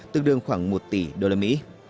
tương đương khoảng một tỷ usd